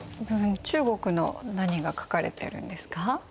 中国の何が書かれてるんですか？